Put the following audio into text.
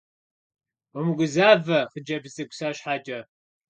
Умыгузавэ, хъыджэбз цӀыкӀу, сэ щхьэкӀэ.